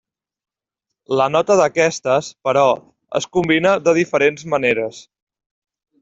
La nota d'aquestes, però, es combina de diferents maneres.